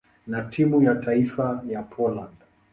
na timu ya taifa ya Poland.